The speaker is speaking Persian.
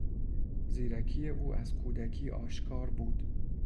زیرکی او از کودکی آشکار بود.